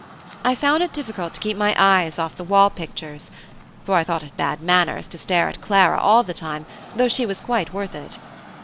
I found it difficult to keep my eyes off the wall pictures (for I thought it bad manners to stare at Clara all the time, though she was quite worth it).